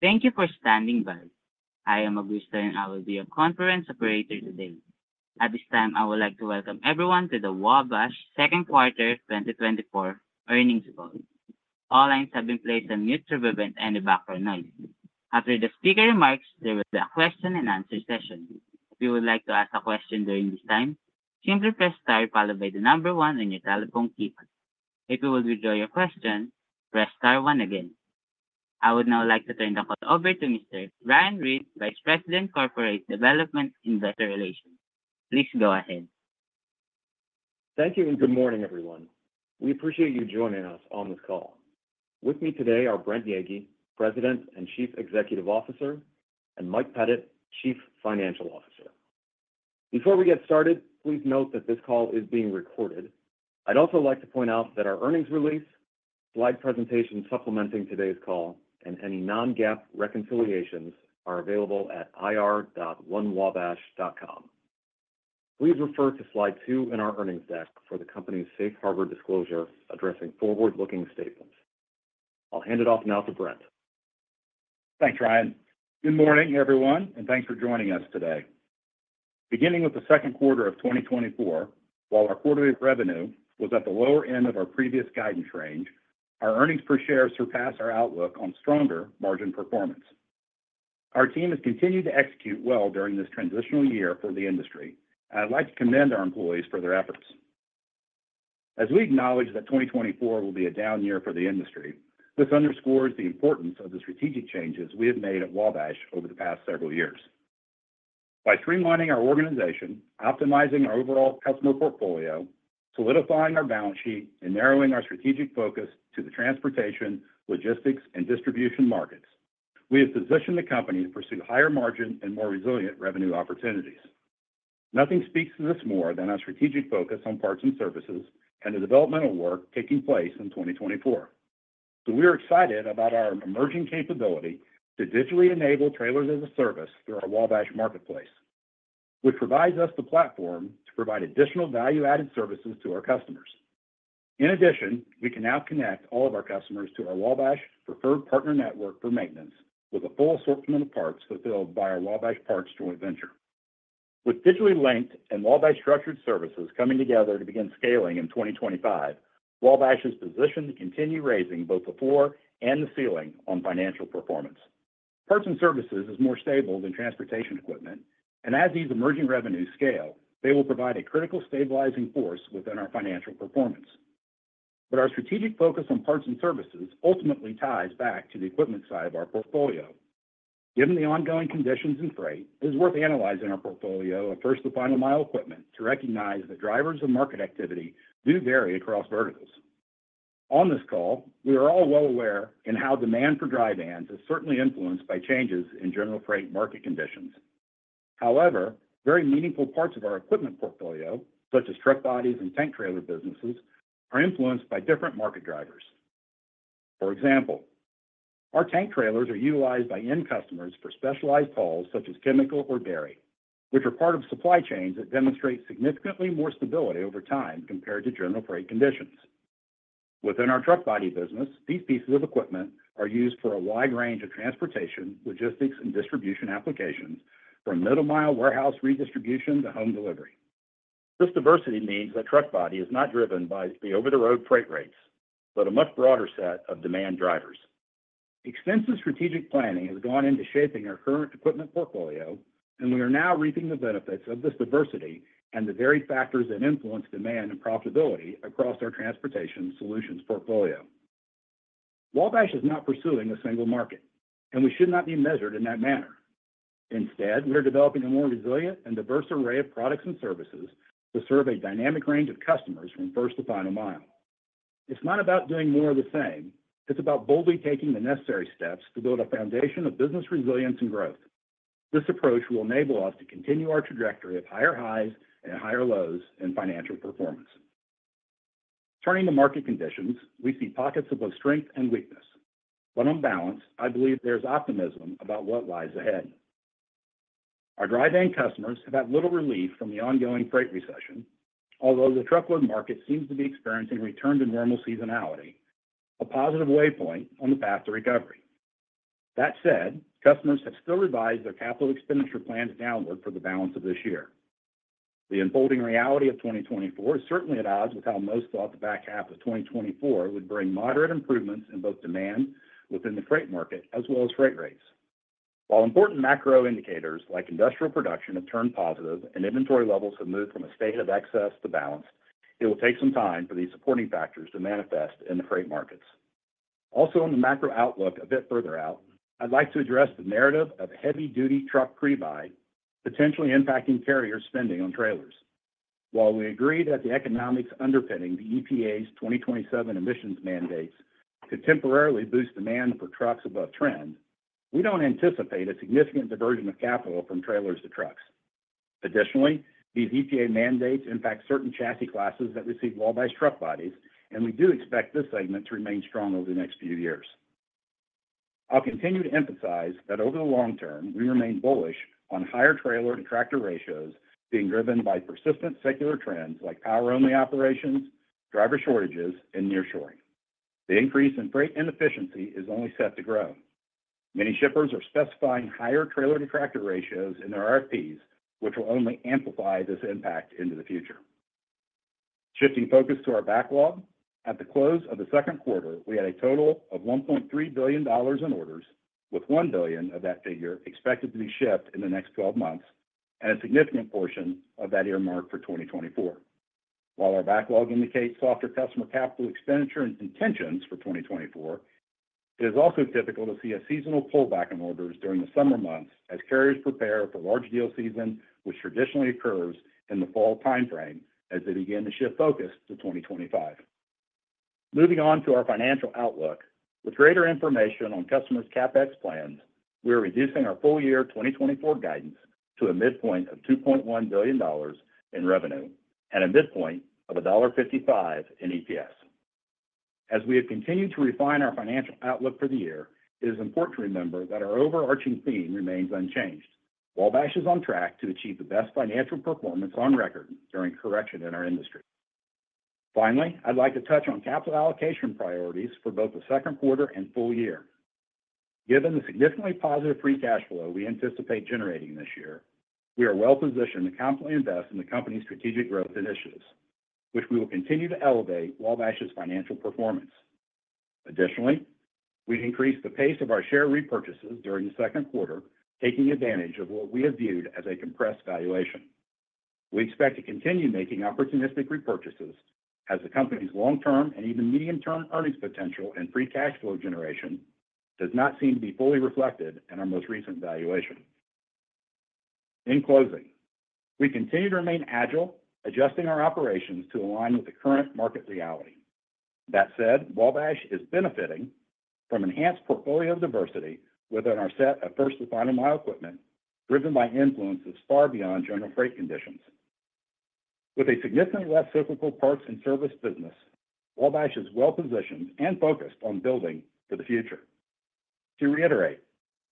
Thank you for standing by. I am Augusta, and I will be your conference operator today. At this time, I would like to welcome everyone to the Wabash Q2 2024 earnings call. All lines have been placed on mute to prevent any background noise. After the speaker remarks, there will be a Q&A session. If you would like to ask a question during this time, simply press Star followed by the number one on your telephone keypad. If you will withdraw your question, press Star one again. I would now like to turn the call over to Mr. Ryan Reed, Vice President, Corporate Development, Investor Relations. Please go ahead. Thank you, and good morning, everyone. We appreciate you joining us on this call. With me today are Brent Yeagy, President and Chief Executive Officer, and Mike Pettit, Chief Financial Officer. Before we get started, please note that this call is being recorded. I'd also like to point out that our earnings release, slide presentation supplementing today's call, and any non-GAAP reconciliations are available at ir.onewabash.com. Please refer to slide two in our earnings deck for the company's Safe Harbor disclosure addressing forward-looking statements. I'll hand it off now to Brent. Thanks, Ryan. Good morning, everyone, and thanks for joining us today. Beginning with the Q2 of 2024, while our quarterly revenue was at the lower end of our previous guidance range, our earnings per share surpassed our outlook on stronger margin performance. Our team has continued to execute well during this transitional year for the industry, and I'd like to commend our employees for their efforts. As we acknowledge that 2024 will be a down year for the industry, this underscores the importance of the strategic changes we have made at Wabash over the past several years. By streamlining our organization, optimizing our overall customer portfolio, solidifying our balance sheet, and narrowing our strategic focus to the transportation, logistics, and distribution markets, we have positioned the company to pursue higher margin and more resilient revenue opportunities. Nothing speaks to this more than our strategic focus on Parts and Services and the developmental work taking place in 2024. So we are excited about our emerging capability to digitally enable Trailers as a Service through our Wabash Marketplace, which provides us the platform to provide additional value-added services to our customers. In addition, we can now connect all of our customers to our Wabash Preferred Partner Network for maintenance, with a full assortment of parts fulfilled by our Wabash Parts joint venture. With digitally linked and Wabash structured services coming together to begin scaling in 2025, Wabash is positioned to continue raising both the floor and the ceiling on financial performance. Parts and Services is more stable than transportation equipment, and as these emerging revenues scale, they will provide a critical stabilizing force within our financial performance. But our strategic focus on parts and services ultimately ties back to the equipment side of our portfolio. Given the ongoing conditions in freight, it is worth analyzing our portfolio of first to final mile equipment to recognize that drivers of market activity do vary across verticals. On this call, we are all well aware in how demand for dry vans is certainly influenced by changes in general freight market conditions. However, very meaningful parts of our equipment portfolio, such as truck bodies and tank trailer businesses, are influenced by different market drivers. For example, our tank trailers are utilized by end customers for specialized hauls such as chemical or dairy, which are part of supply chains that demonstrate significantly more stability over time compared to general freight conditions. Within our truck body business, these pieces of equipment are used for a wide range of transportation, logistics, and distribution applications, from middle mile warehouse redistribution to home delivery. This diversity means that truck body is not driven by the over-the-road freight rates, but a much broader set of demand drivers. Extensive strategic planning has gone into shaping our current equipment portfolio, and we are now reaping the benefits of this diversity and the varied factors that influence demand and profitability across our transportation solutions portfolio. Wabash is not pursuing a single market, and we should not be measured in that manner. Instead, we are developing a more resilient and diverse array of products and services to serve a dynamic range of customers from first to final mile. It's not about doing more of the same. It's about boldly taking the necessary steps to build a foundation of business resilience and growth. This approach will enable us to continue our trajectory of higher highs and higher lows in financial performance. Turning to market conditions, we see pockets of both strength and weakness, but on balance, I believe there's optimism about what lies ahead. Our dry van customers have had little relief from the ongoing freight recession, although the truckload market seems to be experiencing a return to normal seasonality, a positive way point on the path to recovery. That said, customers have still revised their capital expenditure plans downward for the balance of this year. The unfolding reality of 2024 is certainly at odds with how most thought the back half of 2024 would bring moderate improvements in both demand within the freight market as well as freight rates. While important macro indicators like industrial production have turned positive and inventory levels have moved from a state of excess to balance, it will take some time for these supporting factors to manifest in the freight markets. Also, on the macro outlook, a bit further out, I'd like to address the narrative of heavy-duty truck pre-buy potentially impacting carrier spending on trailers. While we agree that the economics underpinning the EPA's 2027 emissions mandates could temporarily boost demand for trucks above trend, we don't anticipate a significant diversion of capital from trailers to trucks. Additionally, these EPA mandates impact certain chassis classes that receive wall-in truck bodies, and we do expect this segment to remain strong over the next few years. I'll continue to emphasize that over the long term, we remain bullish on higher trailer to tractor ratios being driven by persistent secular trends like power-only operations, driver shortages, and nearshoring. The increase in freight inefficiency is only set to grow. Many shippers are specifying higher trailer-to-tractor ratios in their RFPs, which will only amplify this impact into the future. Shifting focus to our backlog, at the close of the Q2, we had a total of $1.3 billion in orders, with $1 billion of that figure expected to be shipped in the next 12 months, and a significant portion of that earmarked for 2024. While our backlog indicates softer customer capital expenditure and intentions for 2024, it is also difficult to see a seasonal pullback in orders during the summer months as carriers prepare for large deal season, which traditionally occurs in the fall timeframe, as they begin to shift focus to 2025. Moving on to our financial outlook. With greater information on customers' CapEx plans, we are reducing our full year 2024 guidance to a midpoint of $2.1 billion in revenue, and a midpoint of $1.55 in EPS. As we have continued to refine our financial outlook for the year, it is important to remember that our overarching theme remains unchanged. Wabash is on track to achieve the best financial performance on record during a correction in our industry. Finally, I'd like to touch on capital allocation priorities for both the Q2 and full year. Given the significantly positive free cash flow we anticipate generating this year, we are well positioned to confidently invest in the company's strategic growth initiatives, which we will continue to elevate Wabash's financial performance. Additionally, we've increased the pace of our share repurchases during the Q2, taking advantage of what we have viewed as a compressed valuation. We expect to continue making opportunistic repurchases as the company's long-term and even medium-term earnings potential and free cash flow generation does not seem to be fully reflected in our most recent valuation. In closing, we continue to remain agile, adjusting our operations to align with the current market reality. That said, Wabash is benefiting from enhanced portfolio diversity within our set of first and final mile equipment, driven by influences far beyond general freight conditions. With a significantly less cyclical parts and service business, Wabash is well positioned and focused on building for the future. To reiterate,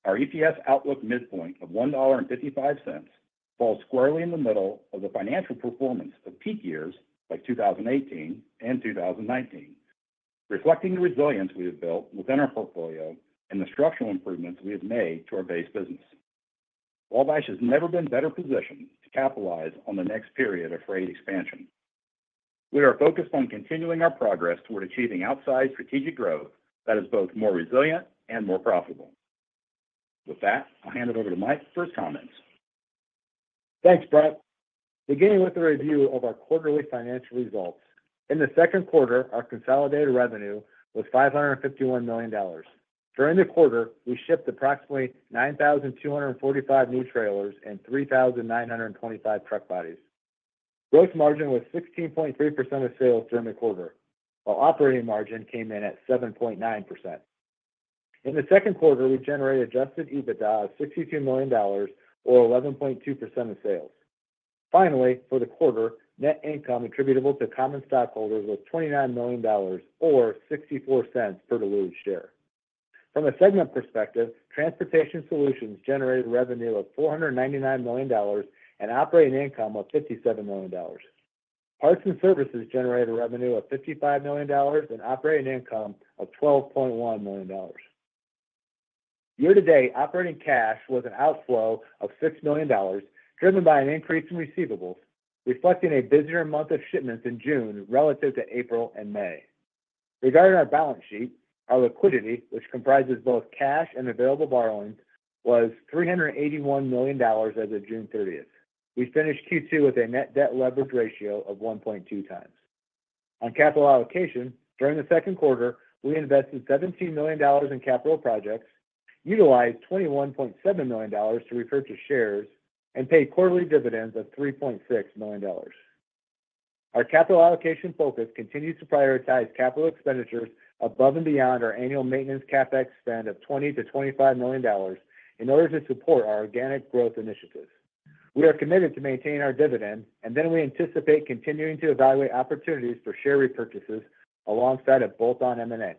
our EPS outlook midpoint of $1.55 falls squarely in the middle of the financial performance of peak years, like 2018 and 2019, reflecting the resilience we have built within our portfolio and the structural improvements we have made to our base business. Wabash has never been better positioned to capitalize on the next period of freight expansion. We are focused on continuing our progress toward achieving outsized strategic growth that is both more resilient and more profitable. With that, I'll hand it over to Mike for his comments. Thanks, Brent. Beginning with a review of our quarterly financial results, in the Q2, our consolidated revenue was $551 million. During the quarter, we shipped approximately 9,245 new trailers and 3,925 truck bodies. Gross margin was 16.3% of sales during the quarter, while operating margin came in at 7.9%. In the Q2, we generated adjusted EBITDA of $62 million, or 11.2% of sales. Finally, for the quarter, net income attributable to common stockholders was $29 million or $0.64 per diluted share. From a segment perspective, Transportation Solutions generated revenue of $499 million and operating income of $57 million. Parts and Services generated a revenue of $55 million and operating income of $12.1 million. Year-to-date, operating cash was an outflow of $6 million, driven by an increase in receivables, reflecting a busier month of shipments in June relative to April and May. Regarding our balance sheet, our liquidity, which comprises both cash and available borrowings, was $381 million as of June thirtieth. We finished Q2 with a net debt leverage ratio of 1.2x. On capital allocation, during the Q2, we invested $17 million in capital projects, utilized $21.7 million to repurchase shares, and paid quarterly dividends of $3.6 million. Our capital allocation focus continues to prioritize capital expenditures above and beyond our annual maintenance CapEx spend of $20 million-$25 million in order to support our organic growth initiatives. We are committed to maintaining our dividend, and then we anticipate continuing to evaluate opportunities for share repurchases alongside a bolt-on M&A.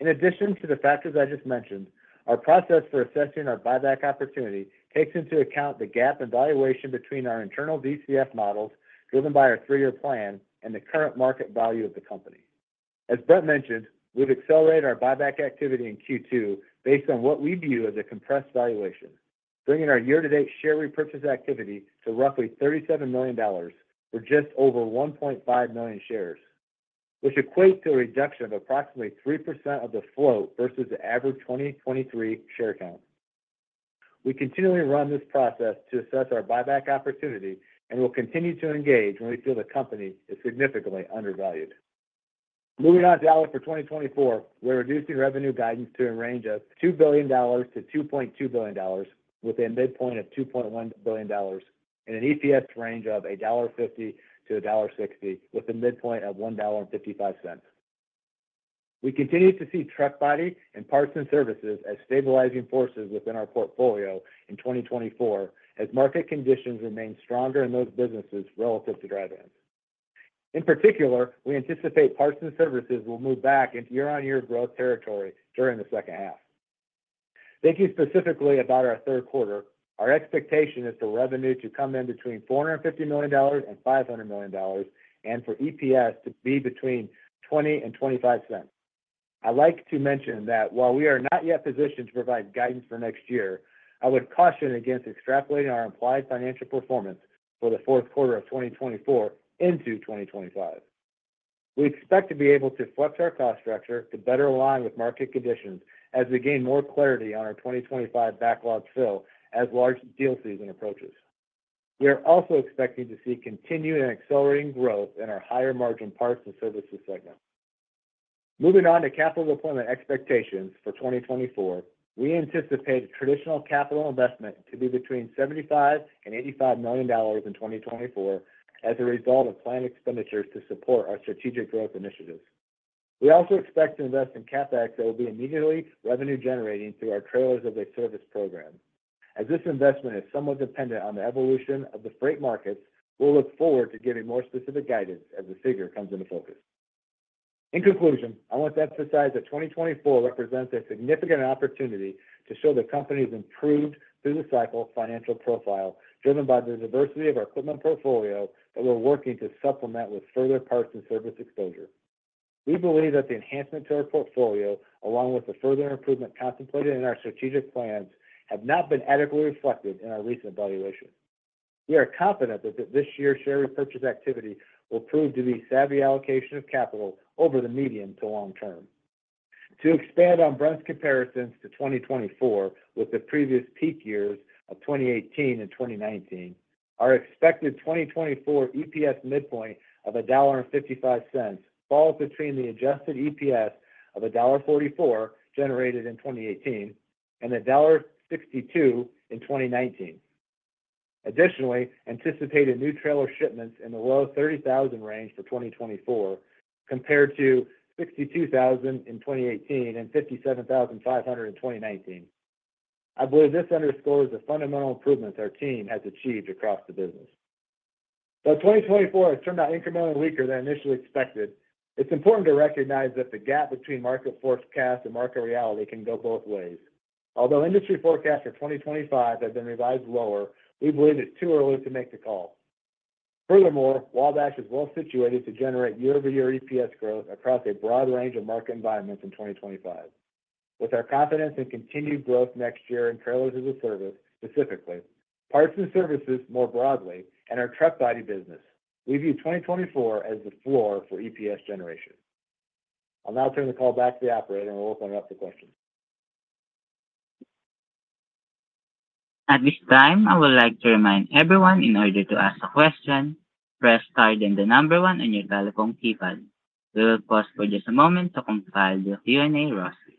In addition to the factors I just mentioned, our process for assessing our buyback opportunity takes into account the gap in valuation between our internal DCF models, driven by our three-year plan, and the current market value of the company. As Brent mentioned, we've accelerated our buyback activity in Q2 based on what we view as a compressed valuation, bringing our year-to-date share repurchase activity to roughly $37 million, or just over 1.5 million shares, which equates to a reduction of approximately 3% of the float versus the average 2023 share count. We continually run this process to assess our buyback opportunity and will continue to engage when we feel the company is significantly undervalued. Moving on to outlook for 2024, we're reducing revenue guidance to a range of $2 billion-$2.2 billion, with a midpoint of $2.1 billion, and an EPS range of $1.50-$1.60, with a midpoint of $1.55. We continue to see Truck Body and Parts and Services as stabilizing forces within our portfolio in 2024, as market conditions remain stronger in those businesses relative to dry vans. In particular, we anticipate Parts and Services will move back into year-on-year growth territory during the second half. Thinking specifically about our Q3, our expectation is the revenue to come in between $450 million and $500 million, and for EPS to be between $0.20-$0.25. I'd like to mention that while we are not yet positioned to provide guidance for next year, I would caution against extrapolating our implied financial performance for the Q4 of 2024 into 2025. We expect to be able to flex our cost structure to better align with market conditions as we gain more clarity on our 2025 backlog fill as large deal season approaches. We are also expecting to see continued and accelerating growth in our higher-margin Parts and Services segment. Moving on to capital deployment expectations for 2024, we anticipate traditional capital investment to be between $75 million-$85 million in 2024 as a result of planned expenditures to support our strategic growth initiatives. We also expect to invest in CapEx that will be immediately revenue-generating through our Trailers as a Service program. As this investment is somewhat dependent on the evolution of the freight markets, we'll look forward to giving more specific guidance as the figure comes into focus. In conclusion, I want to emphasize that 2024 represents a significant opportunity to show the company's improved through-the-cycle financial profile, driven by the diversity of our equipment portfolio, that we're working to supplement with further parts and service exposure. We believe that the enhancement to our portfolio, along with the further improvement contemplated in our strategic plans, have not been adequately reflected in our recent valuation. We are confident that this year's share repurchase activity will prove to be savvy allocation of capital over the medium to long term. To expand on Brent's comparisons to 2024 with the previous peak years of 2018 and 2019, our expected 2024 EPS midpoint of $1.55 falls between the adjusted EPS of $1.44 generated in 2018 and $1.62 in 2019. Additionally, anticipated new trailer shipments in the low 30,000 range for 2024, compared to 62,000 in 2018 and 57,500 in 2019. I believe this underscores the fundamental improvements our team has achieved across the business. Though 2024 has turned out incrementally weaker than initially expected, it's important to recognize that the gap between market forecast and market reality can go both ways. Although industry forecasts for 2025 have been revised lower, we believe it's too early to make the call. Furthermore, Wabash is well situated to generate year-over-year EPS growth across a broad range of market environments in 2025. With our confidence in continued growth next year in Trailers-as-a-Service, specifically, parts and services more broadly, and our truck body business, we view 2024 as the floor for EPS generation. I'll now turn the call back to the operator, and we'll open up to questions. At this time, I would like to remind everyone, in order to ask a question, press star, then the number one on your telephone keypad. We will pause for just a moment to compile the Q&A roster.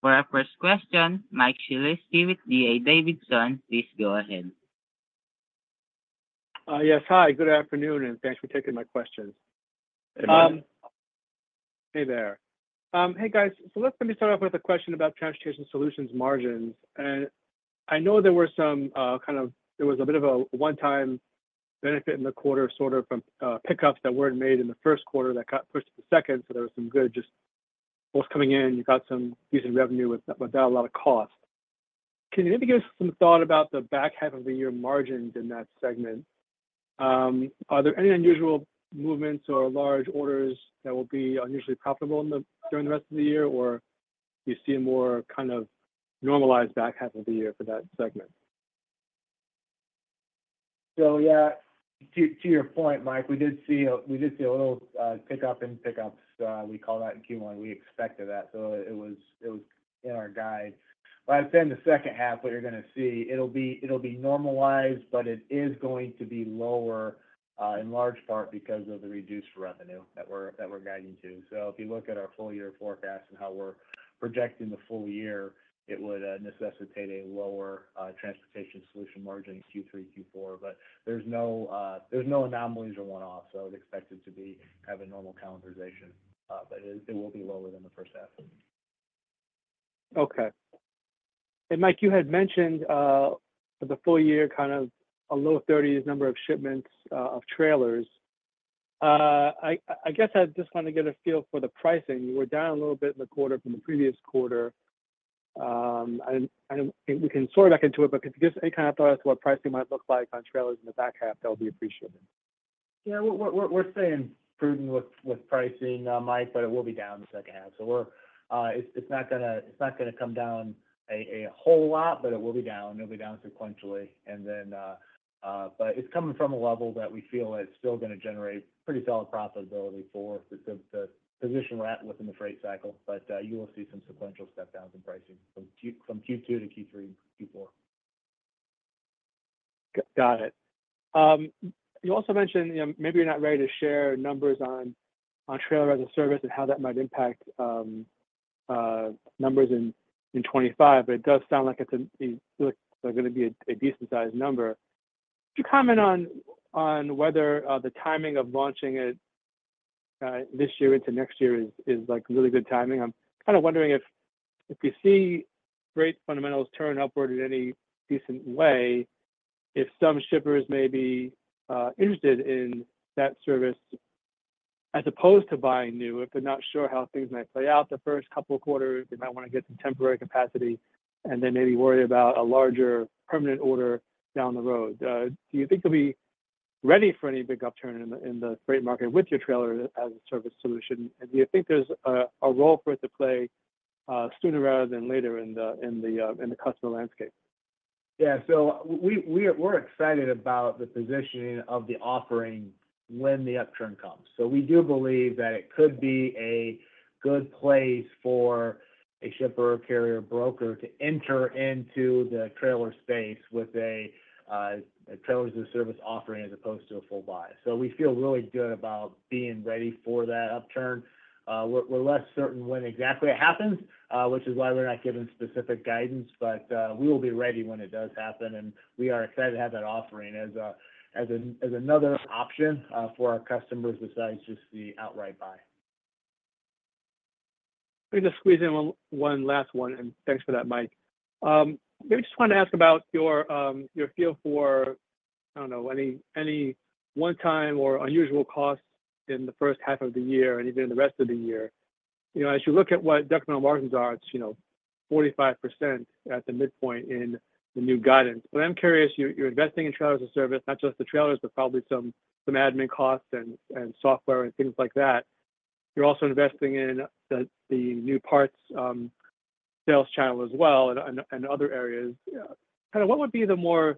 For our first question, Mike Shlisky with D.A. Davidson, please go ahead. Yes. Hi, good afternoon, and thanks for taking my questions. Hey, man. Hey there. Hey, guys. So let me start off with a question about Transportation Solutions margins. And I know there were some kind of. There was a bit of a one-time benefit in the quarter, sort of from pickups that weren't made in the Q1 that got pushed to the second, so there was some good just what's coming in. You got some decent revenue without a lot of cost. Can you maybe give us some thought about the back half of the year margins in that segment? Are there any unusual movements or large orders that will be unusually profitable during the rest of the year, or do you see a more kind of normalized back half of the year for that segment? So yeah, to your point, Mike, we did see a little pickup in pickups. We call that in Q1. We expected that, so it was in our guide. But I'd say in the second half, what you're gonna see, it'll be normalized, but it is going to be lower in large part because of the reduced revenue that we're guiding to. So if you look at our full year forecast and how we're projecting the full year, it would necessitate a lower transportation solutions margin in Q3, Q4. But there's no anomalies or one-offs, so I would expect it to have a normal calendarization, but it will be lower than the first half. Okay. And Mike, you had mentioned, for the full year, kind of a low 30s number of shipments, of trailers. I guess I just want to get a feel for the pricing. You were down a little bit in the quarter from the previous quarter. I don't think we can sort back into it, but if you give us any kind of thought as to what pricing might look like on trailers in the back half, that would be appreciated. Yeah. We're staying prudent with pricing, Mike, but it will be down in the second half. It's not gonna come down a whole lot, but it will be down. It'll be down sequentially, and then. But it's coming from a level that we feel it's still gonna generate pretty solid profitability for the position we're at within the freight cycle. But you will see some sequential step downs in pricing from Q2 to Q3, Q4. Got it. You also mentioned, you know, maybe you're not ready to share numbers on, on Trailers as a Service and how that might impact numbers in 2025, but it does sound like it's it looks like gonna be a, a decent-sized number. Could you comment on, on whether the timing of launching it this year into next year is, is like really good timing? I'm kind of wondering if you see great fundamentals turn upward in any decent way if some shippers may be interested in that service as opposed to buying new, if they're not sure how things might play out the first couple of quarters, they might want to get some temporary capacity, and then maybe worry about a larger permanent order down the road. Do you think you'll be ready for any big upturn in the freight market with your Trailer as a Service solution? And do you think there's a role for it to play sooner rather than later in the customer landscape? Yeah. So we're excited about the positioning of the offering when the upturn comes. So we do believe that it could be a good place for a shipper or carrier broker to enter into the trailer space with a Trailers as a Service offering, as opposed to a full buy. So we feel really good about being ready for that upturn. We're less certain when exactly it happens, which is why we're not giving specific guidance, but we will be ready when it does happen, and we are excited to have that offering as another option for our customers, besides just the outright buy. Let me just squeeze in one last one, and thanks for that, Mike. Maybe I just want to ask about your feel for, I don't know, any one-time or unusual costs in the first half of the year and even in the rest of the year. You know, as you look at what decremental margins are, it's, you know, 45% at the midpoint in the new guidance. But I'm curious, you're investing in Trailers as a Service, not just the trailers, but probably some admin costs and software and things like that. You're also investing in the new parts sales channel as well, and other areas. Kind of what would be a more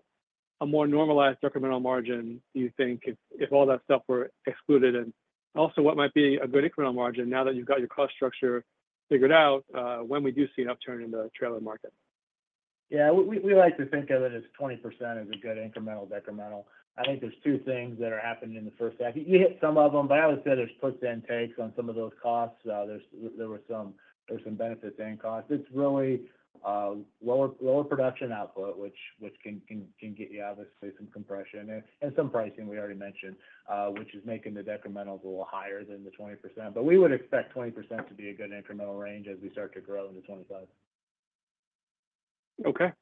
normalized incremental margin, do you think, if all that stuff were excluded? And also, what might be a good incremental margin now that you've got your cost structure figured out, when we do see an upturn in the trailer market? Yeah, we like to think of it as 20% as a good incremental, decremental. I think there's two things that are happening in the first half. You hit some of them, but I would say there's puts and takes on some of those costs. There were some benefits and costs. It's really lower production output, which can get you obviously some compression and some pricing we already mentioned, which is making the decremental a little higher than the 20%. But we would expect 20% to be a good incremental range as we start to grow into 2025. Okay.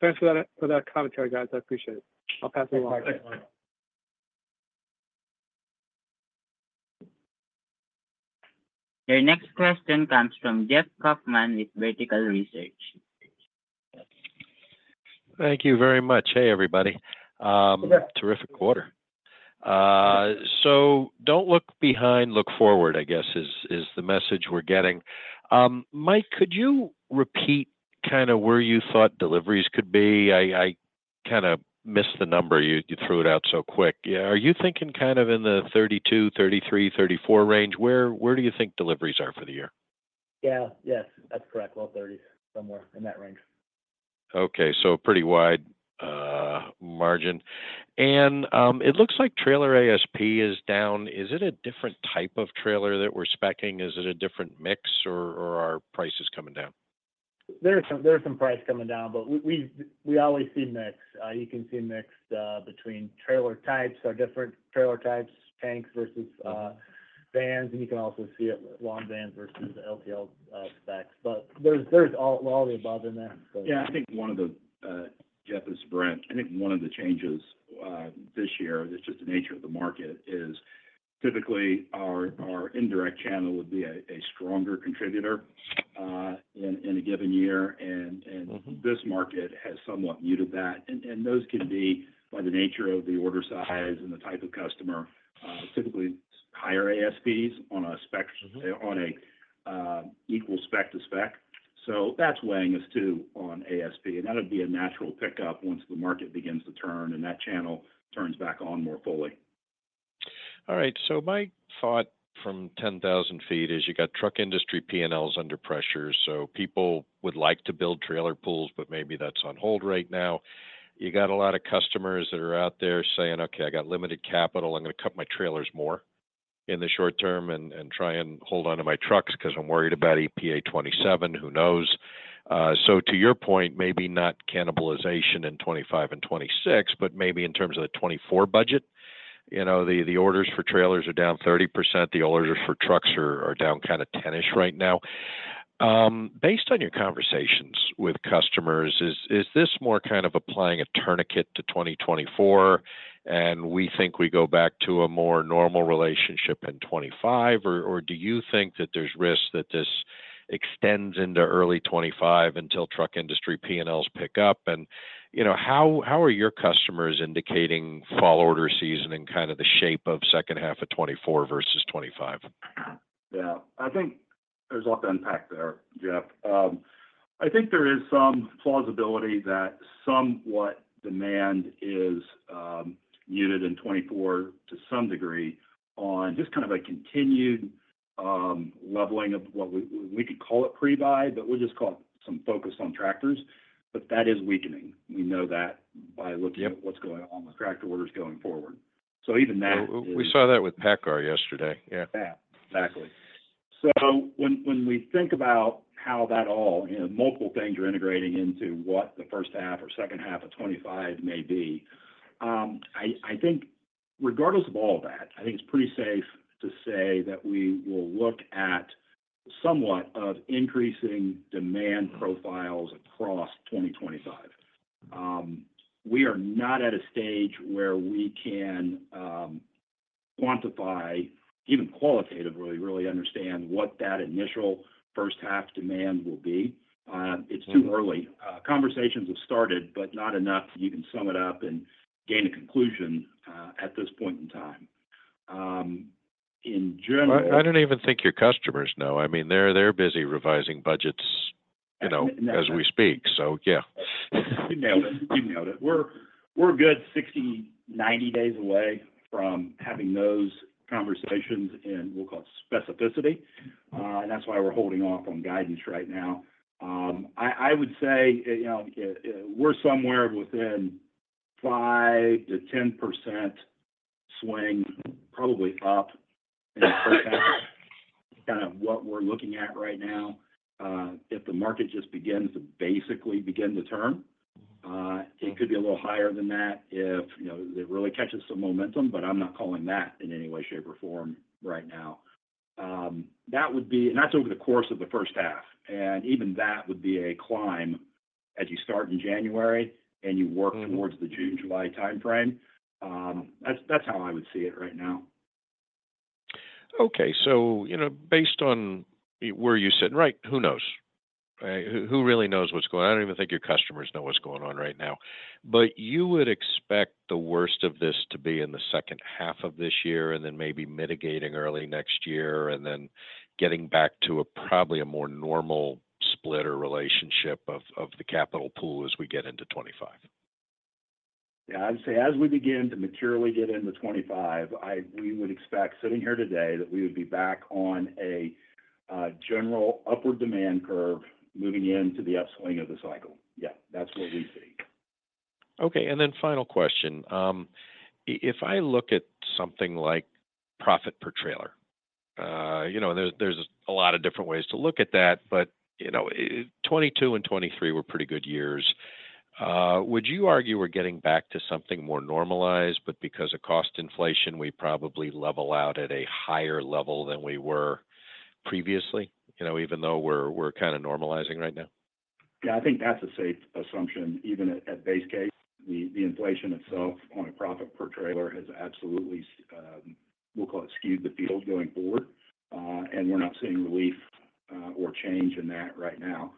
Thanks for that, for that commentary, guys. I appreciate it. I'll pass it along. Your next question comes from Jeff Kauffman with Vertical Research. Thank you very much. Hey, everybody. Yeah. Terrific quarter. So don't look behind, look forward, I guess, is the message we're getting. Mike, could you repeat kind of where you thought deliveries could be? I kind of missed the number. You threw it out so quick. Yeah, are you thinking kind of in the 32, 33, 34 range? Where do you think deliveries are for the year? Yeah. Yes, that's correct. Low 30s, somewhere in that range. Okay. So pretty wide margin. And, it looks like trailer ASP is down. Is it a different type of trailer that we're speccing? Is it a different mix, or, or are prices coming down? There are some prices coming down, but we always see mix. You can see mix between trailer types or different trailer types, tanks versus vans, and you can also see it with long vans versus LTL specs. But there's a lot of above in that, so- Yeah, I think one of the, Jeff, this is Brent. I think one of the changes this year, it's just the nature of the market, is typically our, our indirect channel would be a, a stronger contributor, in, in a given year. Mm-hmm. And this market has somewhat muted that. And those can be, by the nature of the order size and the type of customer, typically higher ASPs on a spec. Mm-hmm On a, equal spec to spec. So that's weighing us, too, on ASP, and that'll be a natural pickup once the market begins to turn, and that channel turns back on more fully. All right, so my thought from 10,000 feet is you got truck industry P&Ls under pressure, so people would like to build trailer pools, but maybe that's on hold right now. You got a lot of customers that are out there saying, "Okay, I got limited capital. I'm going to cut my trailers more in the short term and try and hold onto my trucks because I'm worried about EPA 2027, who knows?" So to your point, maybe not cannibalization in 2025 and 2026, but maybe in terms of the 2024 budget, you know, the orders for trailers are down 30%. The orders for trucks are down kind of 10-ish right now. Based on your conversations with customers, is this more kind of applying a tourniquet to 2024, and we think we go back to a more normal relationship in 2025? Or do you think that there's risk that this extends into early 2025 until truck industry P&Ls pick up? And, you know, how are your customers indicating fall order season and kind of the shape of second half of 2024 versus 2025? Yeah, I think there's a lot to unpack there, Jeff. I think there is some plausibility that somewhat demand is muted in 2024 to some degree on just kind of a continued leveling of what we could call it pre-buy, but we'll just call it some focus on tractors. But that is weakening. We know that by looking- Yep -at what's going on with tractor orders going forward. So even that is- We saw that with PACCAR yesterday. Yeah. Yeah. Exactly. So when we think about how that all, you know, multiple things are integrating into what the first half or second half of 2025 may be, I think regardless of all that, I think it's pretty safe to say that we will look at somewhat of increasing demand profiles across 2025. We are not at a stage where we can quantify, even qualitatively, really understand what that initial first half demand will be. It's too early. Conversations have started, but not enough to even sum it up and gain a conclusion at this point in time. In general- I don't even think your customers know. I mean, they're busy revising budgets, you know, as we speak, so yeah. You nailed it. You nailed it. We're a good 60, 90 days away from having those conversations in, we'll call it, specificity, and that's why we're holding off on guidance right now. I would say, you know, we're somewhere within 5% to 10% swing, probably up, in terms of kind of what we're looking at right now. If the market just begins to basically begin to turn, it could be a little higher than that if, you know, it really catches some momentum, but I'm not calling that in any way, shape, or form right now. That would be... And that's over the course of the first half, and even that would be a climb as you start in January and you work towards the June, July timeframe. That's how I would see it right now. Okay. So, you know, based on where you sit, right, who knows? Who really knows what's going on? I don't even think your customers know what's going on right now. But you would expect the worst of this to be in the second half of this year, and then maybe mitigating early next year, and then getting back to a probably a more normal split or relationship of the capital pool as we get into 2025? Yeah, I'd say as we begin to materially get into 25, we would expect, sitting here today, that we would be back on a general upward demand curve moving into the upswing of the cycle. Yeah, that's what we see. Okay, and then final question. If I look at something like profit per trailer, you know, there's, there's a lot of different ways to look at that, but, you know, 2022 and 2023 were pretty good years. Would you argue we're getting back to something more normalized, but because of cost inflation, we probably level out at a higher level than we were previously, you know, even though we're, we're kind of normalizing right now? Yeah, I think that's a safe assumption. Even at base case, the inflation itself on a profit per trailer has absolutely, we'll call it, skewed the field going forward, and we're not seeing relief, or change in that right now.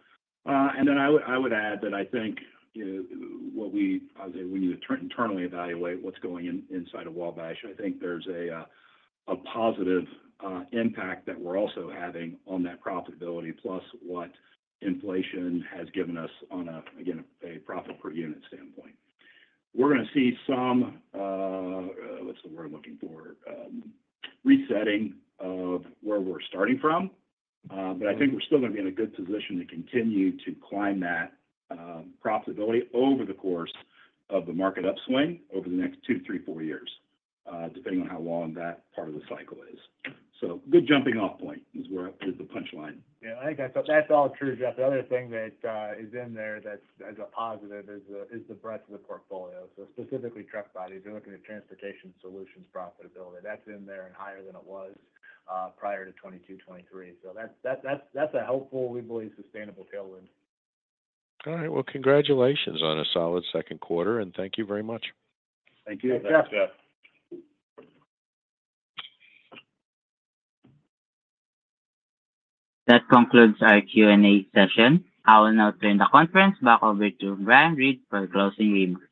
And then I would add that I think, you know, what we as we need to internally evaluate what's going inside of Wabash, I think there's a a positive impact that we're also having on that profitability, plus what inflation has given us on a, again, a profit per unit standpoint. We're gonna see some... What's the word I'm looking for? Resetting of where we're starting from, but I think we're still gonna be in a good position to continue to climb that profitability over the course of the market upswing over the next two, three, four years, depending on how long that part of the cycle is. So good jumping off point is where is the punchline. Yeah, I think that's all true, Jeff. The other thing that is in there that's as a positive is the breadth of the portfolio. So specifically, truck bodies. We're looking at Transportation Solutions profitability. That's in there and higher than it was prior to 2022, 2023. So that's a helpful, we believe, sustainable tailwind. All right. Well, congratulations on a solid Q2, and thank you very much. Thank you, Jeff. Thanks, Jeff. That concludes our Q&A session. I will now turn the conference back over to Ryan Reed for closing remarks.